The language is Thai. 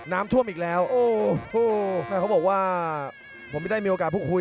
น้ำท่วมอีกแล้วโอ้โหแม่เขาบอกว่าผมไม่ได้มีโอกาสพูดคุย